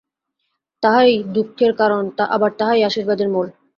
তাহাই দুঃখের কারণ, আবার তাহাই আশীর্বাদের মূল।